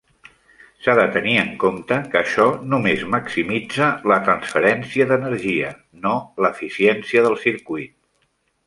S'ha de tenir en compte que això només maximitza la transferència d'energia, no l'eficiència del circuit.